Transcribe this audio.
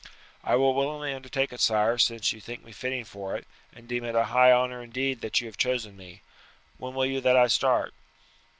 "I will willingly undertake it, sire, since you think me fitting for it, and deem it a high honour indeed that you have chosen me. When will you that I start?"